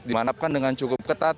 dimanapkan dengan cukup ketat